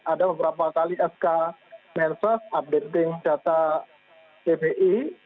ada beberapa kali sk menses updating data tbi